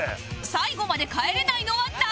最後まで帰れないのは誰だ？